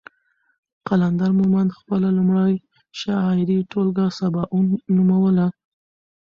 قلندر مومند خپله لومړۍ شعري ټولګه سباوون نوموله.